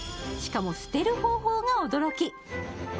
しかも、捨てる方法が驚き。